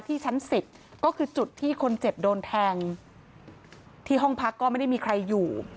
ชั้น๑๐ก็คือจุดที่คนเจ็บโดนแทงที่ห้องพักก็ไม่ได้มีใครอยู่